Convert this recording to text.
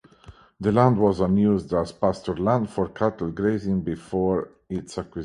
The land was used as pastureland for cattle grazing before its acquisition.